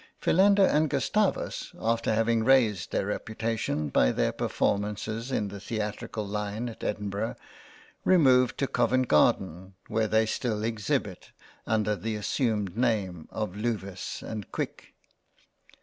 Philander and Gustavus, after having raised their reputation by their Performances in the Theatrical Line at Edinburgh, removed to Covent Garden, where they still Exhibit under the assumed names of Luvis and Quick.